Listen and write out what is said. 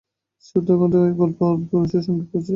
সুধাকান্তবাবুর এই গল্প অনেকের সঙ্গেই করেছি।